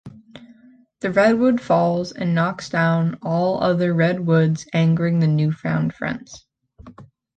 The redwood falls and knocks down all other redwoods, angering their newfound friends.